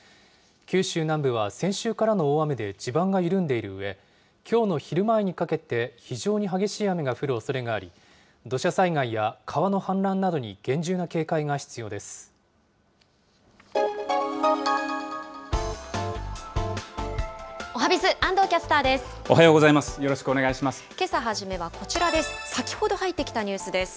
九州南部は先週からの大雨で地盤が緩んでいるうえ、きょうの昼前にかけて、非常に激しい雨が降るおそれがあり、土砂災害や川の氾濫などに厳重な警戒が必要です。